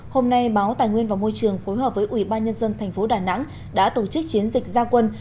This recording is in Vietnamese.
hôm nay báo tài nguyên và môi trường phối hợp với ủy ban nhân dân thành phố đà nẵng đã tổ chức chiến dịch gia quân